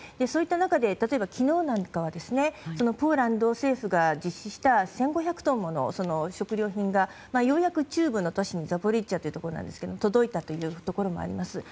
そういった中で例えば、昨日なんかはポーランド政府が実施した１５００トンもの食料品がようやく中部の都市ザポリージャというところに届いたということもあります。